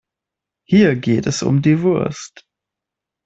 Hier geht es um die Wurst.